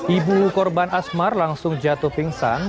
ibu korban asmar langsung jatuh pingsan